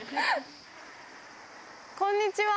こんにちは。